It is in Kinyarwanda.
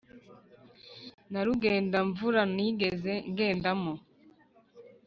na rugendamvuranigeze ngendamo